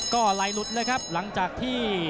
ก็ไหลหลุดเลยครับหลังจากที่